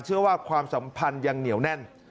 เชื่อว่าความสัมพันธ์ยังเหนียวแน่น